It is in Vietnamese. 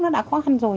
nó đã khó khăn rồi